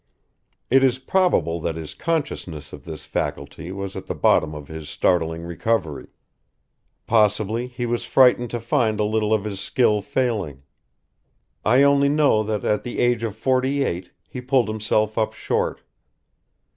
It is probable that his consciousness of this faculty was at the bottom of his startling recovery. Possibly he was frightened to find a little of his skill failing. I only know that at the age of forty eight, he pulled himself up short.